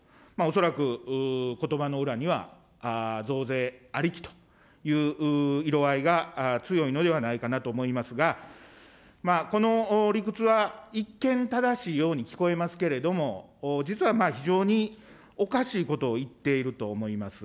恐らくことばの裏には増税ありきという色合いが強いのではないかなと思いますが、この理屈は一見正しいように聞こえますけれども、実はまあ非常におかしいことを言っていると思います。